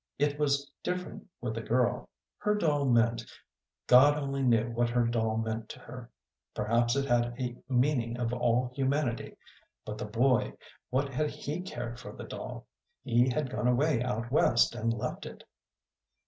It was different with a girl. Her doll meant God only knew what her doll meant to her; perhaps it had a meaning of all humanity. But the boy, what had he cared for the doll? He had gone away out West and left it.